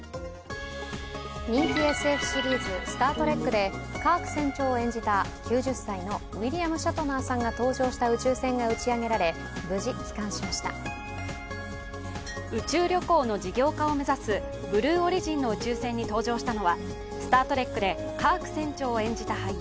人気ＳＦシリーズ「スター・トレック」でカーク船長を演じた９０歳のウィリアム・シャトナーさんが搭乗した宇宙船が打ち上げられ宇宙旅行の事業化を目指す「ブルーオリジン」の宇宙船に搭乗したのは「スター・トレック」でカーク船長を演じた俳優、